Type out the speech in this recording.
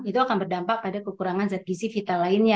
itu akan berdampak pada kekurangan zat gizi vital lainnya